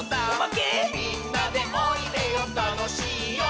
「みんなでおいでよたのしいよ」